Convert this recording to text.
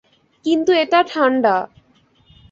কিন্তু এটা ঠান্ডা।